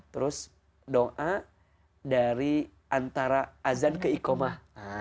terus doa dari antara azan ke ikomah